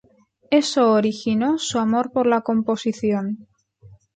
Eso originó su amor por la composición.